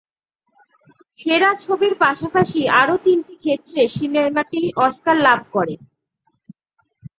সেরা ছবির পাশাপাশি আরও তিনটি ক্ষেত্রে সিনেমাটি অস্কার লাভ করে।